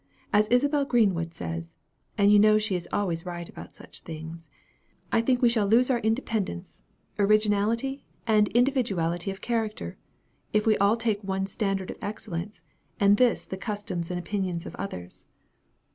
As Isabel Greenwood says and you know she is always right about such things I think we shall lose our independence, originality, and individuality of character, if we all take one standard of excellence, and this the customs and opinions of others.